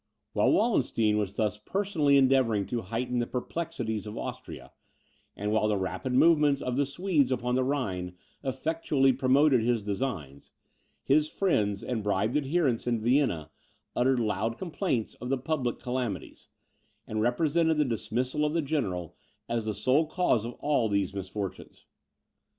While Wallenstein was thus personally endeavouring to heighten the perplexities of Austria, and while the rapid movements of the Swedes upon the Rhine effectually promoted his designs, his friends and bribed adherents in Vienna uttered loud complaints of the public calamities, and represented the dismissal of the general as the sole cause of all these misfortunes.